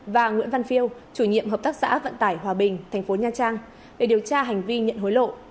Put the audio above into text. và nguyễn văn phiêu chủ nhiệm hợp tác xã vận tải hòa bình thành phố nha trang để điều tra hành vi nhận hối lộ